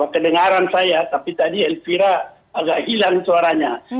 kedengaran saya tapi tadi elvira agak hilang suaranya